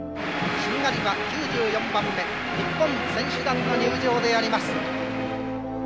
「しんがりは９４番目日本選手団の入場であります」。